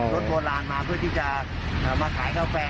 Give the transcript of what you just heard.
รถโบราณมาเพื่อที่จะมาขายกาแฟ